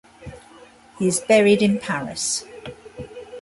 He is buried in Paris.